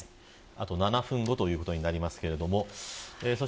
あと７分後ということになります。